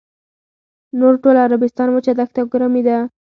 نور ټول عربستان وچه دښته او ګرمي ده.